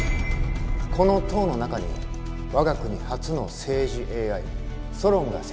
この塔の中に我が国初の政治ＡＩソロンが設置されております。